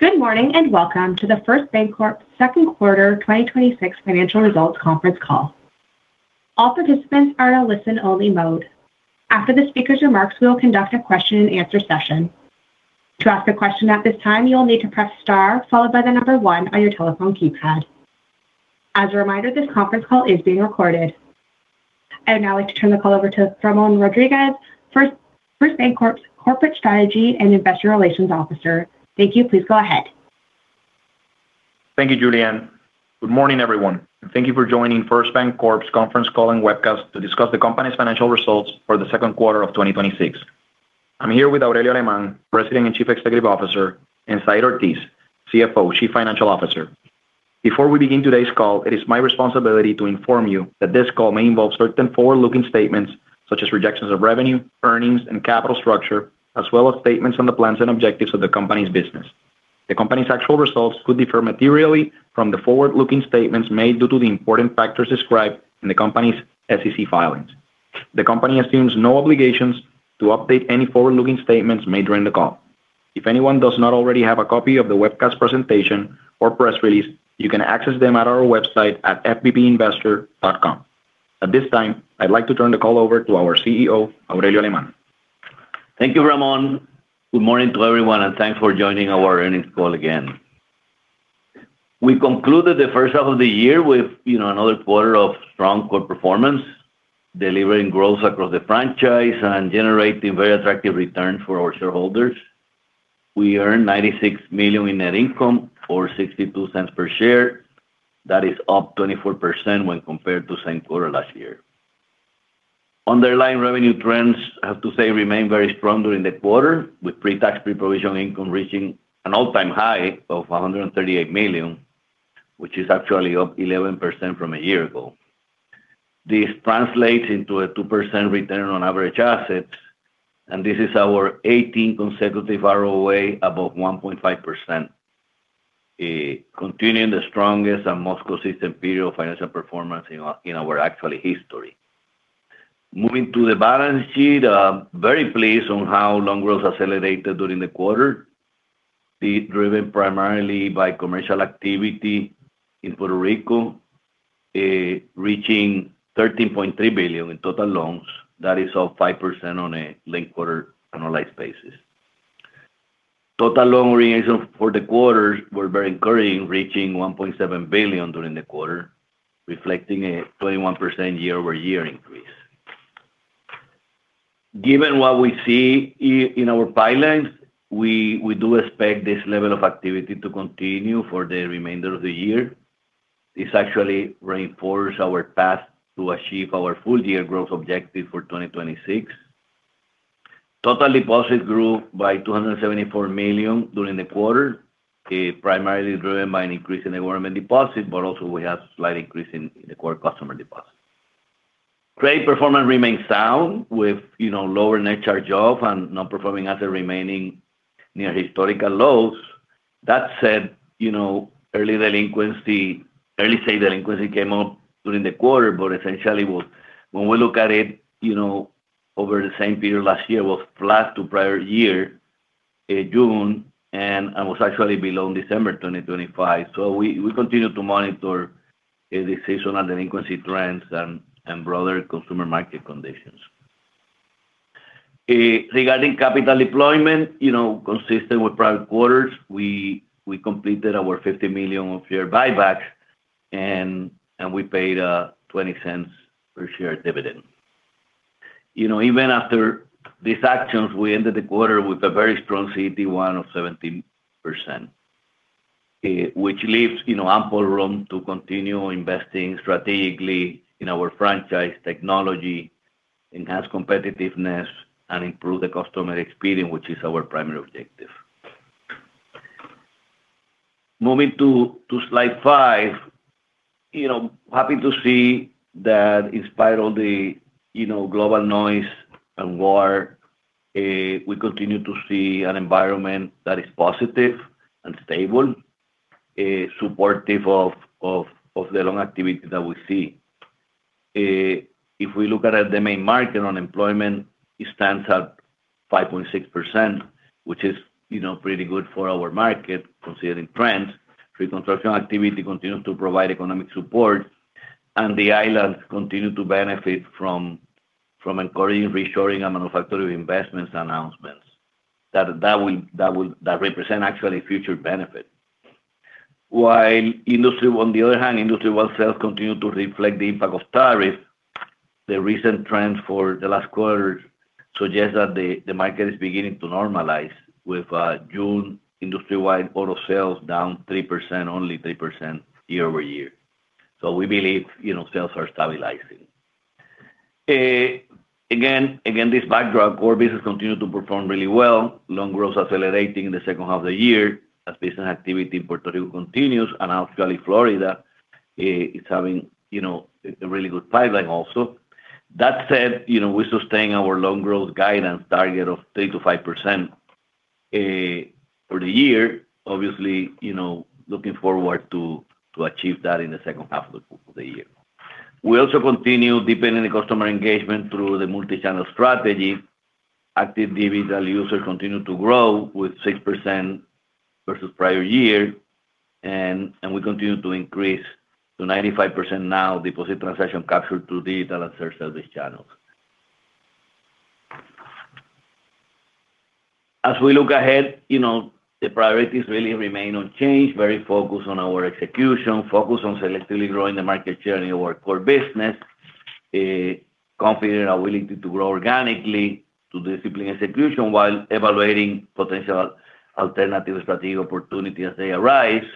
Good morning, and welcome to the First BanCorp Second Quarter 2026 Financial Results Conference Call. All participants are in a listen-only mode. After the speaker's remarks, we will conduct a question and answer session. To ask a question at this time, you will need to press star followed by the number one on your telephone keypad. As a reminder, this conference call is being recorded. I would now like to turn the call over to Ramón Rodríguez, First BanCorp's Corporate Strategy and Investor Relations Officer. Thank you. Please go ahead. Thank you, Julianne. Good morning, everyone. Thank you for joining First BanCorp's conference call and webcast to discuss the company's financial results for the second quarter of 2026. I'm here with Aurelio Alemán, President and Chief Executive Officer, and Said Ortiz, CFO, Chief Financial Officer. Before we begin today's call, it is my responsibility to inform you that this call may involve certain forward-looking statements such as projections of revenue, earnings, and capital structure, as well as statements on the plans and objectives of the company's business. The company's actual results could differ materially from the forward-looking statements made due to the important factors described in the company's SEC filings. The company assumes no obligations to update any forward-looking statements made during the call. If anyone does not already have a copy of the webcast presentation or press release, you can access them at our website at fbpinvestor.com. At this time, I'd like to turn the call over to our CEO, Aurelio Alemán. Thank you, Ramón. Good morning to everyone. Thanks for joining our earnings call again. We concluded the first half of the year with another quarter of strong core performance, delivering growth across the franchise and generating very attractive returns for our shareholders. We earned $96 million in net income, or $0.62 per share. That is up 24% when compared to the same quarter last year. Underlying revenue trends, I have to say, remained very strong during the quarter, with pre-tax pre-provision income reaching an all-time high of $138 million, which is actually up 11% from a year ago. This translates into a 2% return on average assets, and this is our 18th consecutive ROA above 1.5%, continuing the strongest and most consistent period of financial performance in our actual history. Moving to the balance sheet, very pleased on how loan growth accelerated during the quarter, driven primarily by commercial activity in Puerto Rico, reaching $13.3 billion in total loans. That is up 5% on a linked quarter annualized basis. Total loan originations for the quarter were very encouraging, reaching $1.7 billion during the quarter, reflecting a 21% year-over-year increase. Given what we see in our pipeline, we do expect this level of activity to continue for the remainder of the year. This actually reinforces our path to achieve our full-year growth objective for 2026. Total deposits grew by $274 million during the quarter, primarily driven by an increase in the environment deposit, also we have a slight increase in the core customer deposit. Credit performance remains sound with lower net charge-off and non-performing assets remaining near historical lows. That said, early stage delinquency came up during the quarter, essentially when we look at it over the same period last year, was flat to prior year in June and was actually below in December 2025. We continue to monitor the seasonal delinquency trends and broader consumer market conditions. Regarding capital deployment, consistent with prior quarters, we completed our $50 million of share buybacks, and we paid a $0.20 per share dividend. Even after these actions, we ended the quarter with a very strong CET1 of 17%, which leaves ample room to continue investing strategically in our franchise technology, enhance competitiveness, and improve the customer experience, which is our primary objective. Moving to slide five, happy to see that in spite of the global noise and war, we continue to see an environment that is positive and stable, supportive of the loan activity that we see. If we look at the main market, unemployment stands at 5.6%, which is pretty good for our market considering trends. Pre-construction activity continues to provide economic support, and the island continues to benefit from encouraging reshoring and manufacturing investments announcements that represent actually future benefit. While on the other hand, industry-wide sales continue to reflect the impact of tariffs, the recent trends for the last quarter suggest that the market is beginning to normalize with June industry-wide auto sales down 3%, only 3% year-over-year. We believe sales are stabilizing. Again, this backdrop, core business continued to perform really well. Loan growth is accelerating in the second half of the year as business activity in Puerto Rico continues, and also Florida is having a really good pipeline also. That said, we're sustaining our loan growth guidance target of 3%-5% for the year, obviously looking forward to achieve that in the second half of the year. We also continue deepening the customer engagement through the multi-channel strategy. Active digital users continue to grow with 6% versus prior year, we continue to increase to 95% now deposit transaction captured through digital and virtual service channels. As we look ahead, the priorities really remain unchanged, very focused on our execution, focused on selectively growing the market share in our core business. Confident and are willing to grow organically through disciplined execution while evaluating potential alternative strategy opportunities as they arise,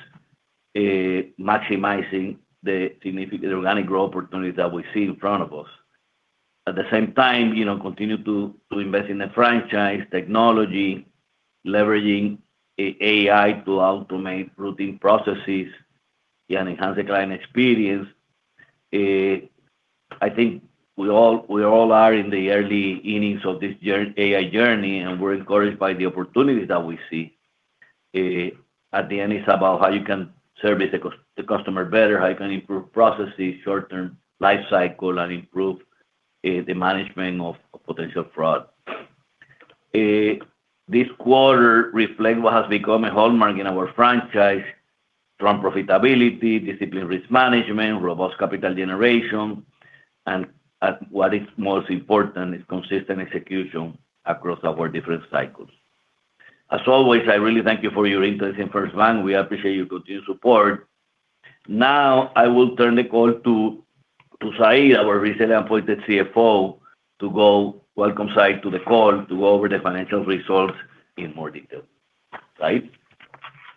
maximizing the significant organic growth opportunities that we see in front of us. At the same time, continue to invest in the franchise technology, leveraging AI to automate routine processes and enhance the client experience. I think we all are in the early innings of this AI journey. We're encouraged by the opportunities that we see. It's about how you can service the customer better, how you can improve processes, short-term life cycle, and improve the management of potential fraud. This quarter, replay has become a hallmark in our franchise, strong profitability, disciplined risk management, robust capital generation, and what is most important is consistent execution across our different cycles. As always, I really thank you for your interest in FirstBank. We appreciate your continued support. I will turn the call to Said, our recently appointed CFO. Welcome, Said, to the call to go over the financial results in more detail. Said?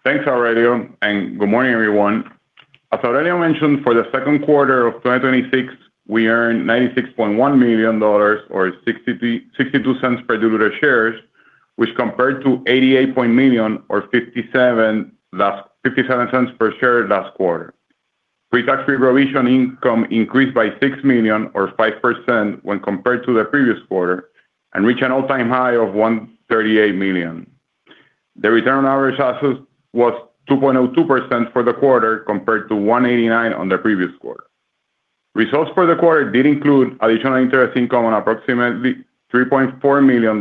Thanks, Aurelio. Good morning, everyone. As Aurelio mentioned, for the second quarter of 2026, we earned $96.1 million or $0.62 per diluted shares, which compared to $88 million or $0.57 per share last quarter. Pretax pre-provision income increased by $6 million or 5% when compared to the previous quarter and reached an all-time high of $138 million. The return on our assets was 2.02% for the quarter, compared to 1.89% on the previous quarter. Results for the quarter did include additional interest income on approximately $3.4 million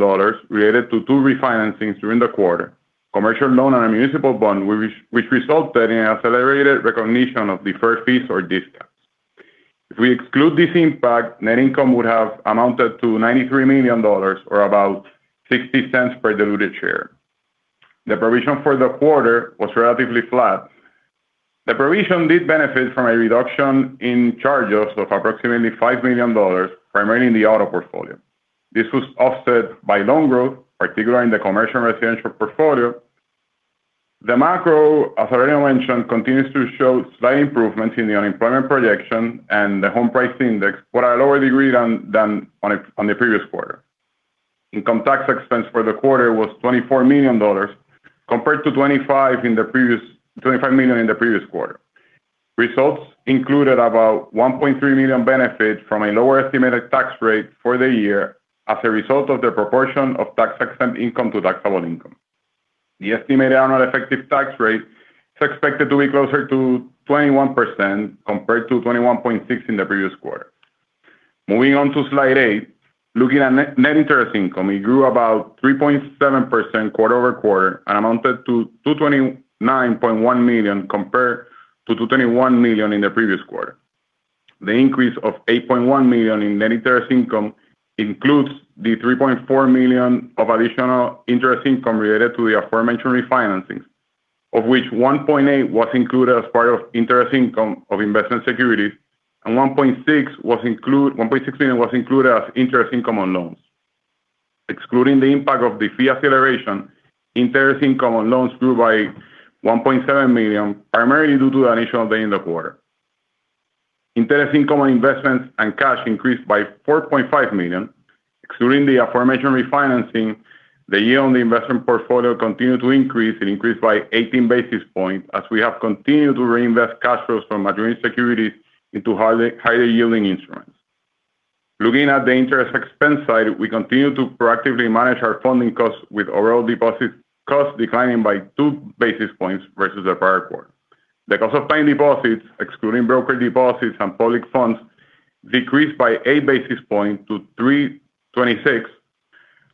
related to two refinancings during the quarter, commercial loan, and a municipal bond, which resulted in accelerated recognition of deferred fees or discounts. If we exclude this impact, net income would have amounted to $93 million or about $0.60 per diluted share. The provision for the quarter was relatively flat. The provision did benefit from a reduction in charges of approximately $5 million, primarily in the auto portfolio. This was offset by loan growth, particularly in the commercial and residential portfolio. The macro, as Aurelio mentioned, continues to show slight improvements in the unemployment projection and the home price index, but at a lower degree than on the previous quarter. Income tax expense for the quarter was $24 million, compared to $25 million in the previous quarter. Results included about $1.3 million benefit from a lower estimated tax rate for the year as a result of the proportion of tax-exempt income to taxable income. The estimated annual effective tax rate is expected to be closer to 21%, compared to 21.6% in the previous quarter. Moving on to slide eight. Looking at net interest income, it grew about 3.7% quarter-over-quarter and amounted to $229.1 million compared to $221 million in the previous quarter. The increase of $8.1 million in net interest income includes the $3.4 million of additional interest income related to the aforementioned refinancings, of which $1.8 million was included as part of interest income of investment securities and $1.6 million was included as interest income on loans. Excluding the impact of the fee acceleration, interest income on loans grew by $1.7 million, primarily due to the initial day in the quarter. Interest income on investments and cash increased by $4.5 million. Excluding the aforementioned refinancing, the yield on the investment portfolio continued to increase. It increased by 18 basis points as we have continued to reinvest cash flows from maturing securities into higher-yielding instruments. Looking at the interest expense side, we continue to proactively manage our funding costs with overall deposit costs declining by two basis points versus the prior quarter. The cost of time deposits, excluding broker deposits and public funds, decreased by 8 basis points to 326.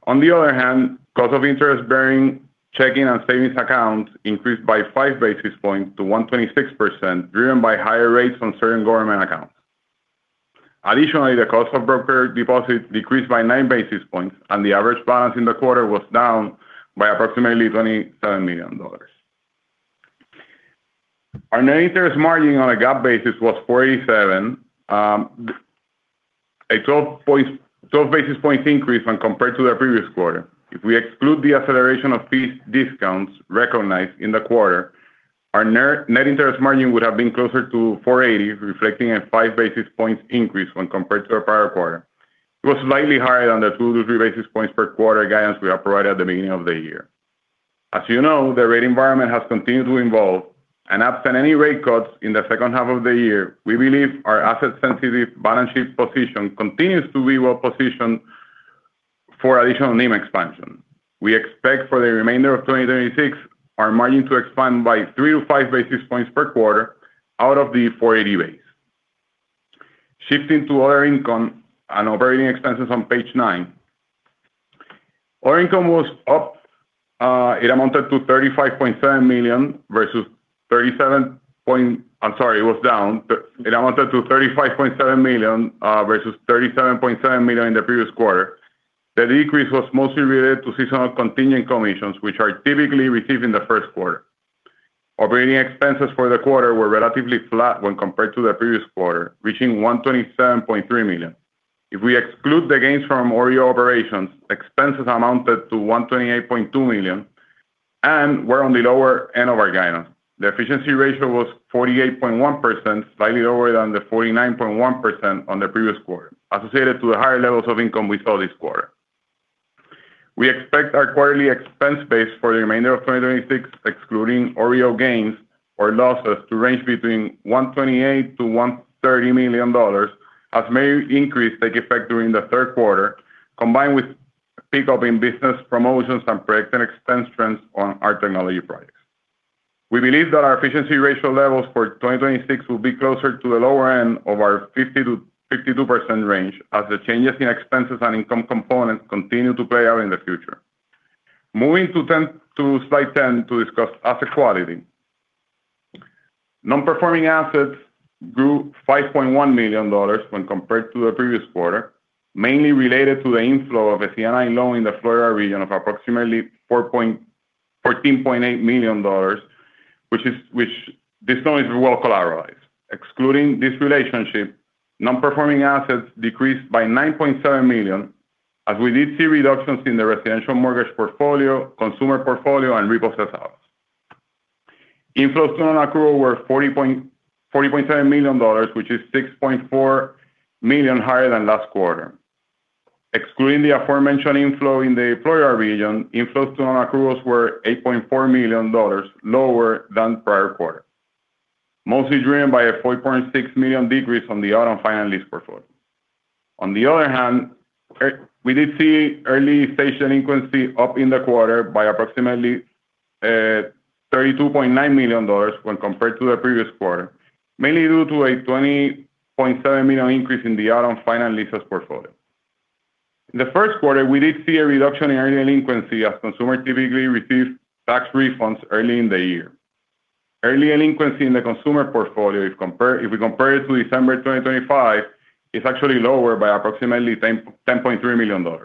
On the other hand, cost of interest-bearing checking and savings accounts increased by 5 basis points to 126%, driven by higher rates on certain government accounts. Additionally, the cost of broker deposits decreased by 9 basis points, and the average balance in the quarter was down by approximately $27 million. Our net interest margin on a GAAP basis was 4.87%, a 12 basis points increase when compared to the previous quarter. If we exclude the acceleration of fee discounts recognized in the quarter, our net interest margin would have been closer to 480, reflecting a 5 basis points increase when compared to the prior quarter. It was slightly higher than the 2-3 basis points per quarter guidance we have provided at the beginning of the year. As you know, the rate environment has continued to evolve, absent any rate cuts in the second half of the year, we believe our asset-sensitive balance sheet position continues to be well-positioned for additional NIM expansion. We expect for the remainder of 2026, our margin to expand by 3-5 basis points per quarter out of the 480 base. Shifting to other income and operating expenses on page nine. Our income was up. It amounted to $35.7 million versus $37.7 million in the previous quarter. The decrease was mostly related to seasonal continuing commissions, which are typically received in the first quarter. Operating expenses for the quarter were relatively flat when compared to the previous quarter, reaching $127.3 million. If we exclude the gains from OREO operations, expenses amounted to $128.2 million and were on the lower end of our guidance. The efficiency ratio was 48.1%, slightly lower than the 49.1% on the previous quarter, associated to the higher levels of income we saw this quarter. We expect our quarterly expense base for the remainder of 2026, excluding OREO gains or losses, to range between $128 million-$130 million, as many increase take effect during the third quarter, combined with a pickup in business promotions and project and expense trends on our technology products. We believe that our efficiency ratio levels for 2026 will be closer to the lower end of our 50%-52% range, as the changes in expenses and income components continue to play out in the future. Moving to slide 10 to discuss asset quality. Non-performing assets grew to $5.1 million when compared to the previous quarter, mainly related to the inflow of a C&I loan in the Florida region of approximately $14.8 million. This loan is well collateralized. Excluding this relationship, non-performing assets decreased by $9.7 million, as we did see reductions in the residential mortgage portfolio, consumer portfolio, and repossessed autos. Inflows to unaccrual were $40.7 million, which is $6.4 million higher than last quarter. Excluding the aforementioned inflow in the Florida region, inflows to unaccruals were $8.4 million lower than the prior quarter, mostly driven by a $4.6 million decrease on the auto finance lease portfolio. On the other hand, we did see early stage delinquency up in the quarter by approximately $32.9 million when compared to the previous quarter, mainly due to a $20.7 million increase in the auto finance leases portfolio. In the first quarter, we did see a reduction in early delinquency as consumers typically receive tax refunds early in the year. Early delinquency in the consumer portfolio, if we compare it to December 2025, is actually lower by approximately $10.3 million.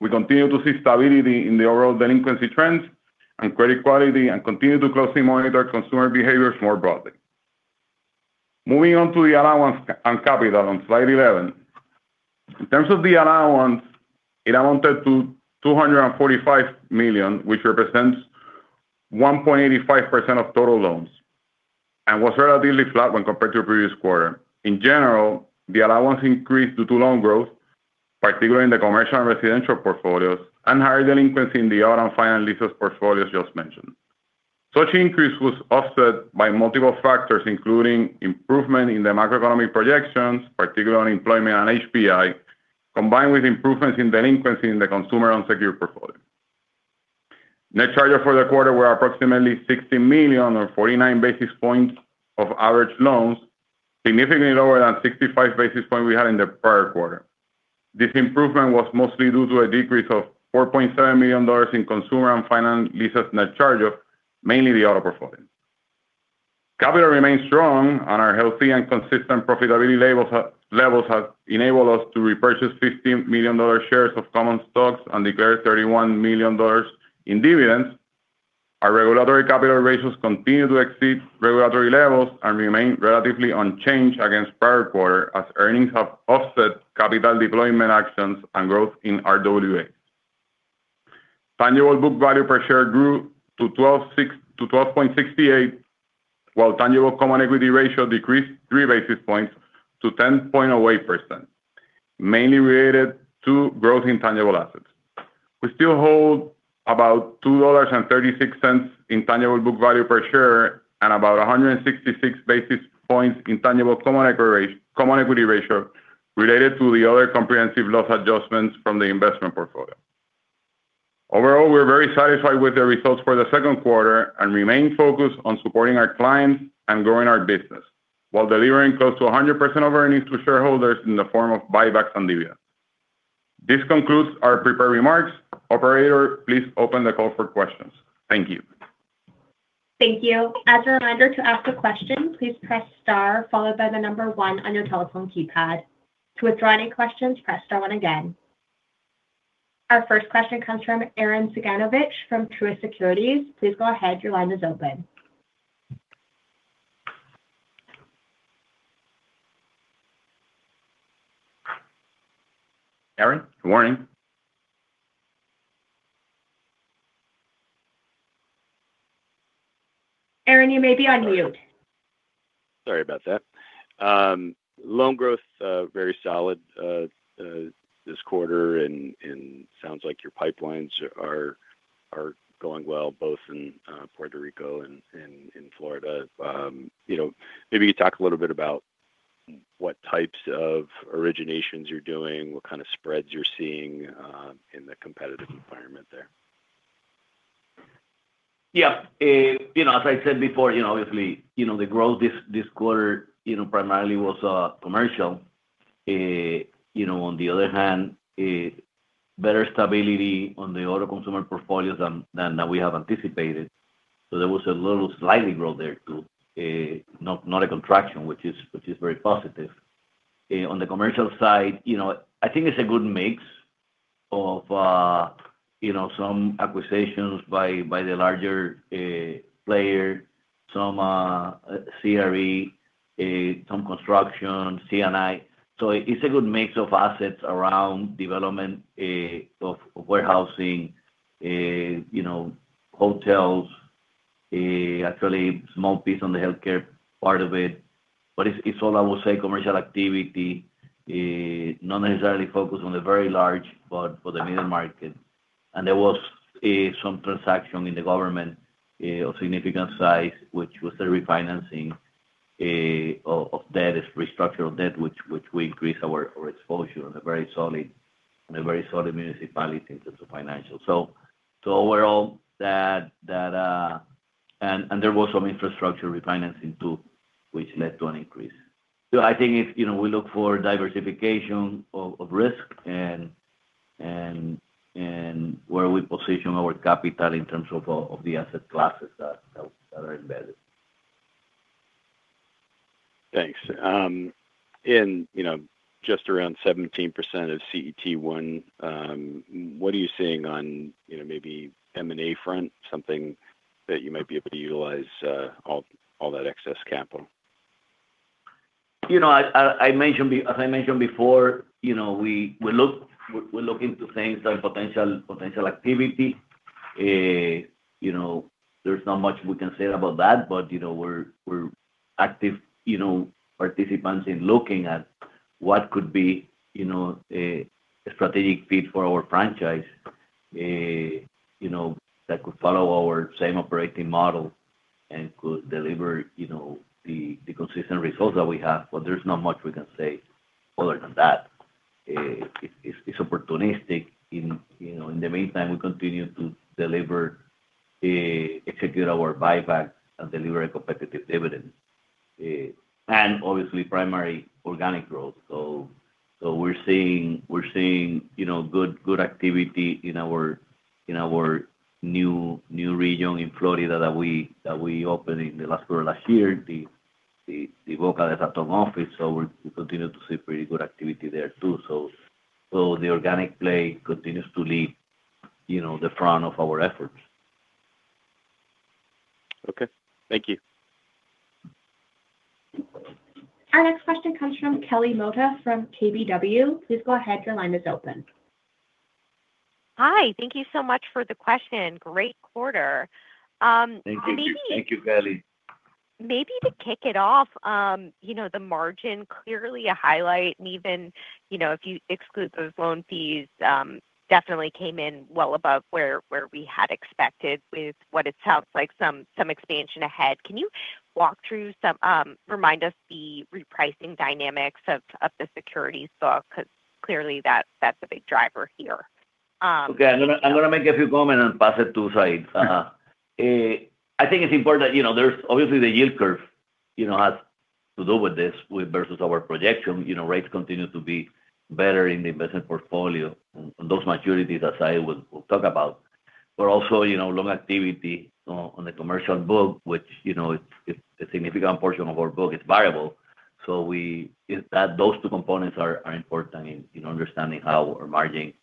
We continue to see stability in the overall delinquency trends and credit quality and continue to closely monitor consumer behaviors more broadly. Moving on to the allowance and capital on slide 11. In terms of the allowance, it amounted to $245 million, which represents 1.85% of total loans and was relatively flat when compared to the previous quarter. In general, the allowance increased due to loan growth, particularly in the commercial and residential portfolios, and higher delinquency in the auto finance leases portfolios just mentioned. Such increase was offset by multiple factors, including improvement in the macroeconomic projections, particularly on employment and HPI, combined with improvements in delinquency in the consumer unsecured portfolio. Net charge-off for the quarter were approximately $60 million or 49 basis points of average loans, significantly lower than 65 basis points we had in the prior quarter. This improvement was mostly due to a decrease of $4.7 million in consumer and finance leases net charge-off, mainly the auto portfolio. Capital remains strong and our healthy and consistent profitability levels have enabled us to repurchase $50 million shares of common stocks and declare $31 million in dividends. Our regulatory capital ratios continue to exceed regulatory levels and remain relatively unchanged against the prior quarter as earnings have offset capital deployment actions and growth in RWA. Tangible book value per share grew to $12.68, while tangible common equity ratio decreased 3 basis points to 10.08%, mainly related to growth in tangible assets. We still hold about $2.36 in tangible book value per share and about 166 basis points in tangible common equity ratio related to the other comprehensive loss adjustments from the investment portfolio. Overall, we're very satisfied with the results for the second quarter and remain focused on supporting our clients and growing our business, while delivering close to 100% of earnings to shareholders in the form of buybacks and dividends. This concludes our prepared remarks. Operator, please open the call for questions. Thank you. Thank you. As a reminder, to ask a question, please press star, followed by the number one on your telephone keypad. To withdraw any questions, press star one again. Our first question comes from Arren Cyganovich from Truist Securities. Please go ahead. Your line is open. Arren, good morning. Arren, you may be on mute. Sorry about that. Loan growth, very solid this quarter, and sounds like your pipelines are going well both in Puerto Rico and in Florida. Maybe you could talk a little bit about what types of originations you're doing, what kind of spreads you're seeing in the competitive environment there. Yeah. As I said before, obviously, the growth this quarter primarily was commercial. On the other hand, better stability on the other consumer portfolios than we have anticipated. There was a little slight growth there, too. Not a contraction, which is very positive. On the commercial side, I think it's a good mix of some acquisitions by the larger player, some CRE, some construction, C&I. It's a good mix of assets around development of warehousing, hotels, actually a small piece on the healthcare part of it. It's all, I will say, commercial activity, not necessarily focused on the very large, but for the middle market. There was some transaction in the government of significant size, which was the refinancing of debt, restructuring of debt, which will increase our exposure on a very solid municipality in terms of financials. There was some infrastructure refinancing, too, which led to an increase. I think if we look for diversification of risk and where we position our capital in terms of the asset classes that are embedded. Thanks. In just around 17% of CET1, what are you seeing on maybe M&A front? Something that you might be able to utilize all that excess capital. As I mentioned before, we look into things like potential activity. There's not much we can say about that, we're active participants in looking at what could be a strategic fit for our franchise that could follow our same operating model and could deliver the consistent results that we have. There's not much we can say other than that. It's opportunistic. In the meantime, we continue to execute our buyback and deliver a competitive dividend. Obviously, primary organic growth. We're seeing good activity in our new region in Florida that we opened in the last quarter of last year, the Boca Raton office. We continue to see pretty good activity there, too. The organic play continues to lead the front of our efforts. Okay. Thank you. Our next question comes from Kelly Motta from KBW. Please go ahead. Your line is open. Hi. Thank you so much for the question. Great quarter. Thank you, Kelly. Maybe to kick it off, the margin, clearly a highlight. Even if you exclude those loan fees, definitely came in well above where we had expected with what it sounds like some expansion ahead. Can you walk through, remind us the repricing dynamics of the securities stock? Clearly that's a big driver here. Okay. I'm going to make a few comments and pass it to Said. I think it's important that obviously the yield curve has to do with this versus our projection. Rates continue to be better in the investment portfolio on those maturities that Said will talk about. Also, loan activity on the commercial book, which a significant portion of our book is variable. Those two components are important in understanding how our margin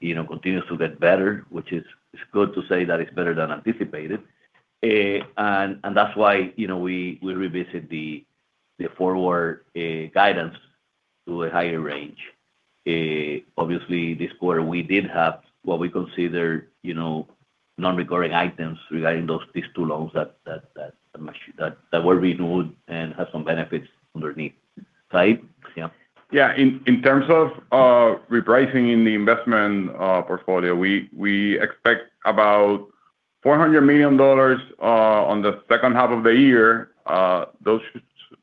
continues to get better, which is good to say that it's better than anticipated. That's why we revisit the forward guidance to a higher range. Obviously, this quarter, we did have what we consider non-recurring items regarding these two loans that were renewed and have some benefits underneath. Said? Yeah. Yeah. In terms of repricing in the investment portfolio, we expect about $400 million on the second half of the year. Those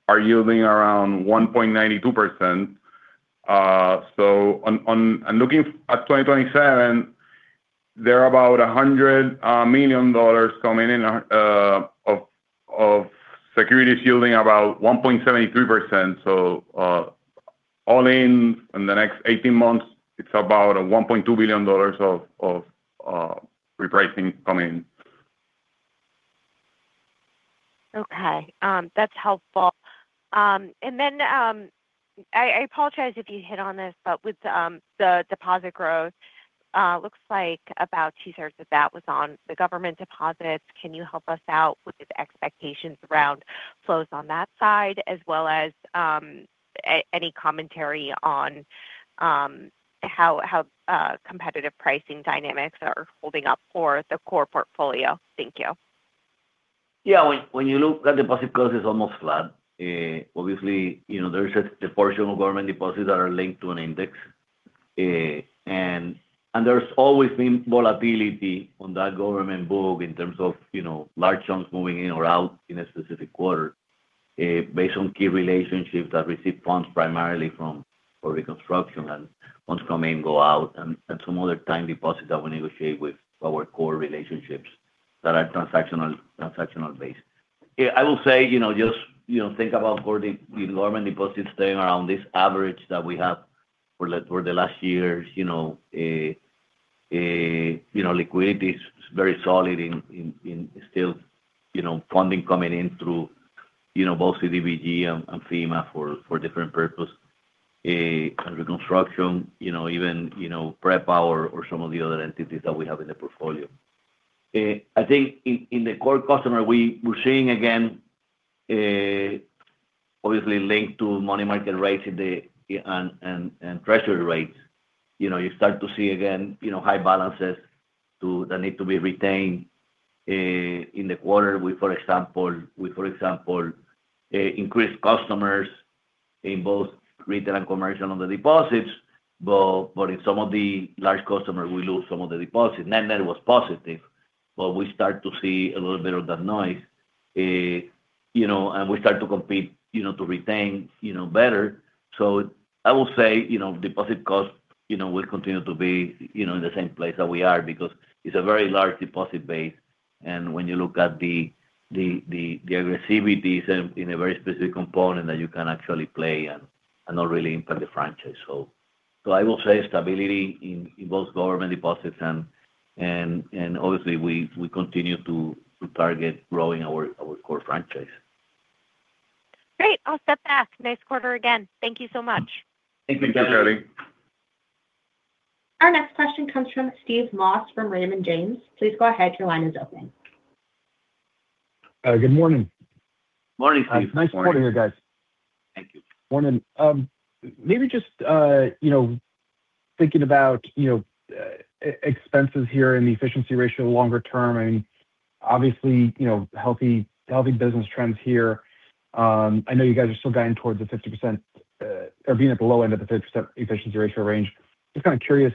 are yielding around 1.92%. Looking at 2027, there are about $100 million coming in of securities yielding about 1.73%. All in the next 18 months, it's about $1.2 billion of repricing coming in. Okay. That's helpful. Then I apologize if you hit on this, with the deposit growth, looks like about two-thirds of that was on the government deposits. Can you help us out with the expectations around flows on that side, as well as any commentary on how competitive pricing dynamics are holding up for the core portfolio? Thank you. Yeah. When you look at deposit growth, it's almost flat. Obviously, there is a portion of government deposits that are linked to an index there's always been volatility on that government book in terms of large chunks moving in or out in a specific quarter based on key relationships that receive funds primarily from reconstruction and funds come in, go out, and some other time deposits that we negotiate with our core relationships that are transactional based. I will say, just think about core government deposits staying around this average that we have for the last years. Liquidity is very solid and still funding coming in through both CDBG and FEMA for different purpose. Under construction, even PREPA or some of the other entities that we have in the portfolio. I think in the core customer, we're seeing again, obviously linked to money market rates and treasury rates. You start to see, again, high balances that need to be retained in the quarter. We, for example, increased customers in both retail and commercial on the deposits, but in some of the large customers, we lose some of the deposits. Net was positive. We start to see a little bit of that noise, and we start to compete to retain better. I will say, deposit cost will continue to be in the same place that we are because it's a very large deposit base and when you look at the aggressiveness in a very specific component that you can actually play and not really impact the franchise. I will say stability in both government deposits and obviously we continue to target growing our core franchise. Great. I'll step back. Nice quarter again. Thank you so much. Thank you. Thank you. Our next question comes from Steve Moss from Raymond James. Please go ahead. Your line is open. Good morning. Morning, Steve. Nice quarter here, guys. Thank you. Morning. Maybe just thinking about expenses here and the efficiency ratio longer term. Obviously, healthy business trends here. I know you guys are still guiding towards the 50%, or being at the low end of the 50% efficiency ratio range. Just kind of curious,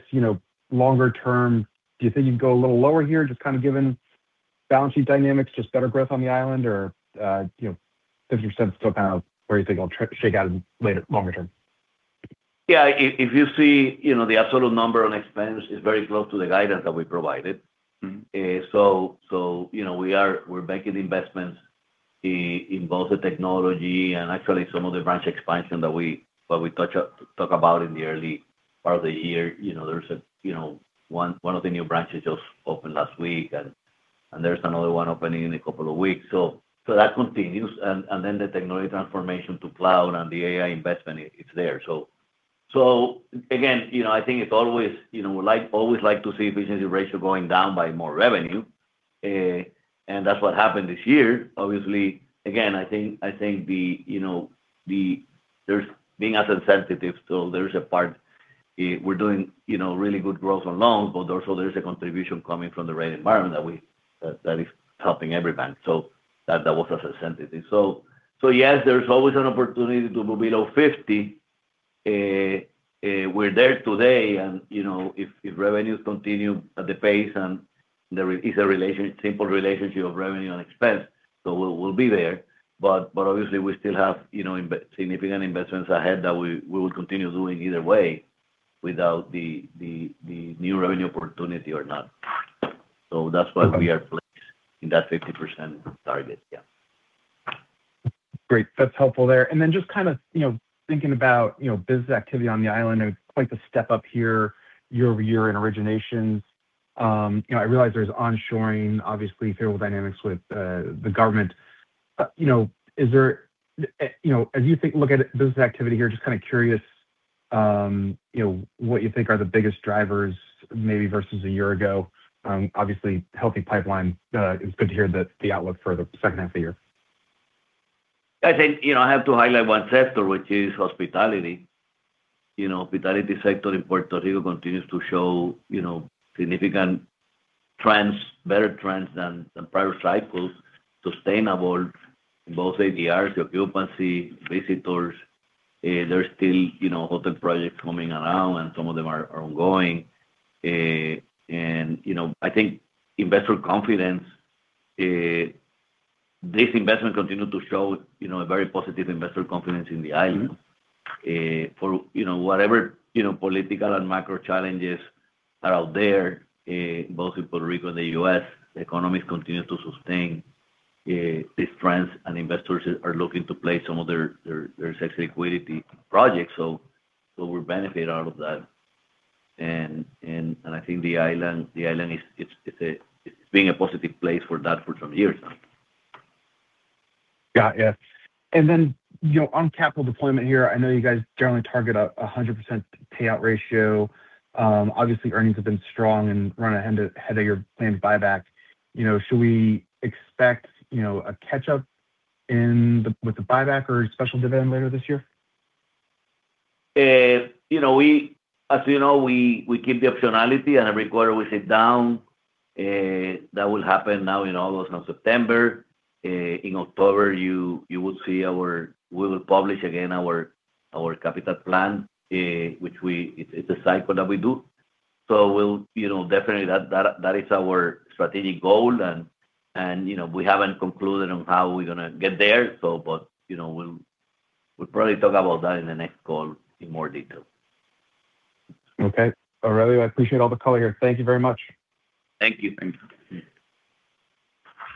longer term, do you think you can go a little lower here, just kind of given balance sheet dynamics, just better growth on the island or 50% is still kind of where you think it'll shake out in longer term? Yeah. If you see, the absolute number on expense is very close to the guidance that we provided. We're making investments in both the technology and actually some of the branch expansion that we talk about in the early part of the year. One of the new branches just opened last week, and there's another one opening in a couple of weeks. That continues. The technology transformation to cloud and the AI investment is there. Again, I think it's always like to see efficiency ratio going down by more revenue, and that's what happened this year. Obviously, again, I think being asset sensitive still, there is a part we're doing really good growth on loans, but also there is a contribution coming from the rate environment that is helping every bank. That was asset sensitive. Yes, there's always an opportunity to move below 50%. We're there today, if revenues continue at the pace and there is a simple relationship of revenue and expense, we'll be there. Obviously we still have significant investments ahead that we will continue doing either way without the new revenue opportunity or not. That's why we are placed in that 50% target. Yeah. Great. That's helpful there. Then just kind of thinking about business activity on the island, it's quite the step up here year-over-year in originations. I realize there's onshoring, obviously federal dynamics with the government. As you look at business activity here, just kind of curious what you think are the biggest drivers maybe versus a year ago? Obviously healthy pipeline. It's good to hear the outlook for the second half of the year. I think I have to highlight one sector, which is hospitality. Hospitality sector in Puerto Rico continues to show significant trends, better trends than the prior cycles, sustainable in both ADRs, occupancy, visitors. There's still hotel projects coming around, some of them are ongoing. I think investor confidence, this investment continue to show a very positive investor confidence in the island. For whatever political and macro challenges are out there, both in Puerto Rico and the U.S., the economies continue to sustain these trends and investors are looking to place some of their excess liquidity projects. We benefit out of that. I think the island is being a positive place for that for some years now. Got you. On capital deployment here, I know you guys generally target a 100% payout ratio. Obviously earnings have been strong and run ahead of your planned buyback. Should we expect a catch up with the buyback or special dividend later this year? As you know, we keep the optionality and every quarter we sit down. That will happen now in almost September. In October, we will publish again our capital plan, which is a cycle that we do. Definitely that is our strategic goal. We haven't concluded on how we're going to get there. We'll probably talk about that in the next call in more detail. Okay. Aurelio, I appreciate all the color here. Thank you very much. Thank you.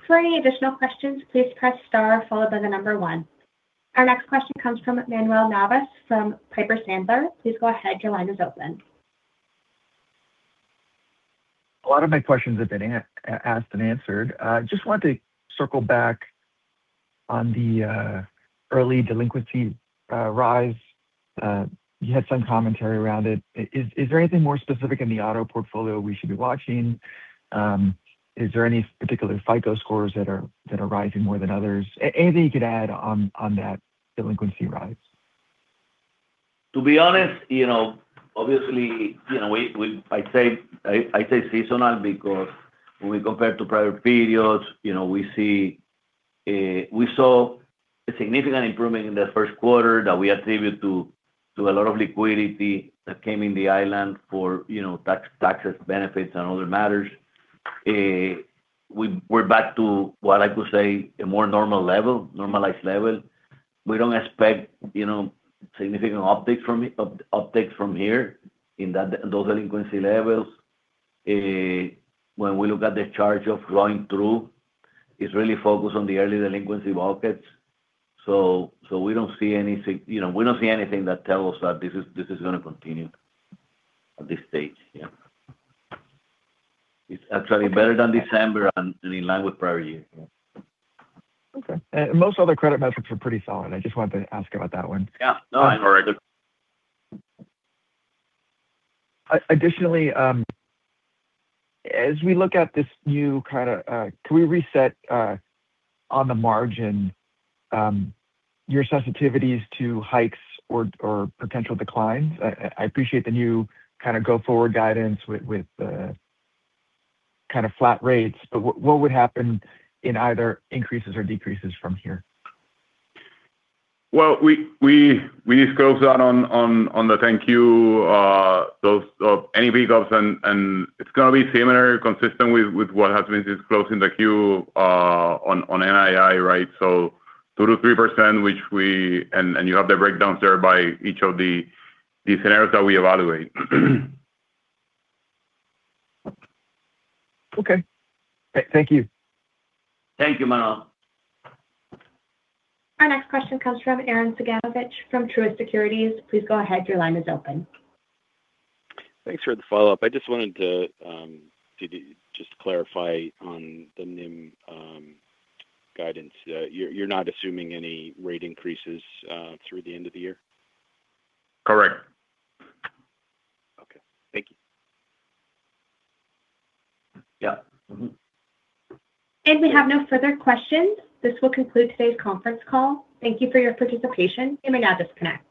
For any additional questions, please press star followed by the number one. Our next question comes from Manuel Navas from Piper Sandler. Please go ahead. Your line is open. A lot of my questions have been asked and answered. I just wanted to circle back on the early delinquency rise. You had some commentary around it. Is there anything more specific in the auto portfolio we should be watching? Is there any particular FICO scores that are rising more than others? Anything you could add on that delinquency rise. To be honest, obviously, I say seasonal because when we compare to prior periods, we saw a significant improvement in the first quarter that we attribute to a lot of liquidity that came in the island for tax benefits and other matters. We're back to what I could say, a more normal level, normalized level. We don't expect significant upticks from here in those delinquency levels. When we look at the charge off going through, it's really focused on the early delinquency buckets. We don't see anything that tells us that this is going to continue at this stage. Yeah. It's actually better than December and in line with prior years. Yeah. Okay. Most other credit metrics were pretty solid. I just wanted to ask about that one. Yeah. No, I heard. Additionally, as we look at this new, can we reset on the margin your sensitivities to hikes or potential declines? I appreciate the new go forward guidance with the kind of flat rates. What would happen in either increases or decreases from here? Well, we just closed out on the 10-Q, those of any pickups, and it's going to be similar, consistent with what has been disclosed in the Q on NII, right? 2%-3%, and you have the breakdowns there by each of the scenarios that we evaluate. Okay. Thank you. Thank you, Manuel. Our next question comes from Arren Cyganovich from Truist Securities. Please go ahead. Your line is open. Thanks for the follow-up. I just wanted to just clarify on the NIM guidance. You are not assuming any rate increases through the end of the year? Correct. Okay. Thank you. Yeah. Mm-hmm. If we have no further questions, this will conclude today's conference call. Thank you for your participation. You may now disconnect.